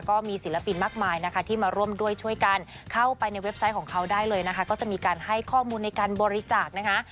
ก็จะมีการให้ข้อมูลในการบริจาคนะคะ